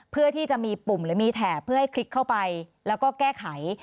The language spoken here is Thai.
เพื่อที่จะมีปุ่มหรือมีแถบเพื่อให้คลิกเข้าไปแล้วก็แก้ไข